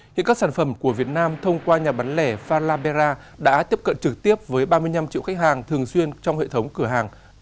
hiện các sản phẩm của việt nam thông qua nhà bán lẻ falaberra đã tiếp cận trực tiếp với ba mươi năm triệu khách hàng thường xuyên trong hệ thống cửa hàng